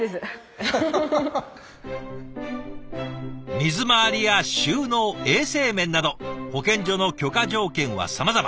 水回りや収納衛生面など保健所の許可条件はさまざま。